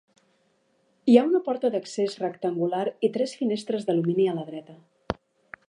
Hi ha una porta d’accés rectangular i tres finestres d’alumini a la dreta.